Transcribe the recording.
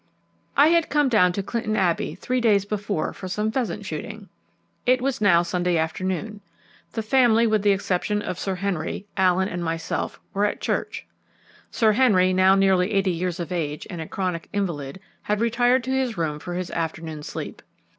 I had come down to Clinton Abbey three days before for some pheasant shooting. It was now Sunday afternoon. The family, with the exception of old Sir Henry, Allen, and myself, were at church. Sir Henry, now nearly eighty years of age and a chronic invalid, had retired to his room for his afternoon sleep.